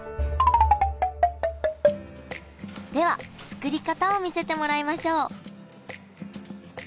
では作り方を見せてもらいましょう！